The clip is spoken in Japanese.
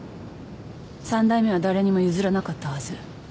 三代目は誰にも譲らなかったはず。